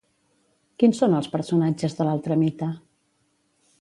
Quins són els personatges de l'altre mite?